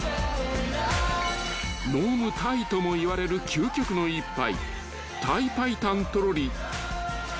［飲むタイとも言われる究極の一杯］